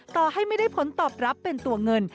ต่อให้ไม่ได้ผลตอบรับเป็นตัวเงิน